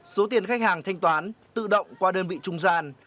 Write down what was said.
số tiền khách hàng thanh toán tự động qua đơn vị trung gian